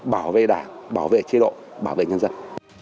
bảo vệ đảng bảo vệ chế độ bảo vệ nhân dân